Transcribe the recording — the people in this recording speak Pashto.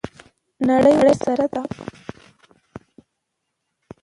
نړۍ ورسره ده.